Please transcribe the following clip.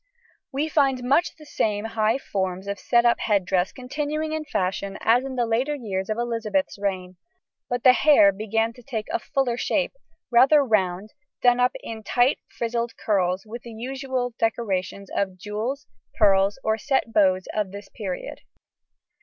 We find much the same high forms of set up head dress continuing in fashion as in the later years of Elizabeth's reign; but the hair began to take a fuller shape, rather round, done up in tight frizzled curls, with the usual decorations of jewels, pearls, or set bows of this period.